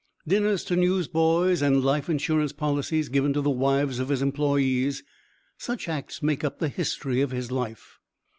Dinners to newsboys and life insurance policies given to the wives of his employes; such acts make up the history of his life.